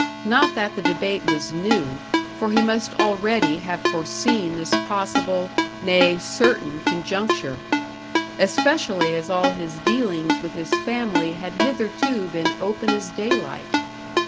Not that the debate was new, for he must already have foreseen this possible, nay, certain, conjuncture. Especially as all his dealings with his family had hitherto been open as daylight.